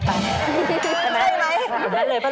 ใช่ไหมครับแบบนั้นเลยป่ะลูกใช่ไหม